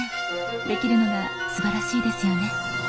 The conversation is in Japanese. できるのがすばらしいですよね。